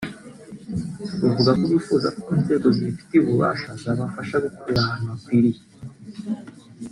Bavuga ko bifuza ko inzego zibifitiye ububasha zabafasha gukorera ahantu hakwiriye